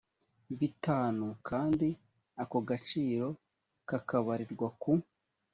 bitanu kandi ako gaciro kakabarirwa ku